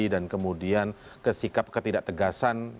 dan kemudian kesikap ketidak tegasan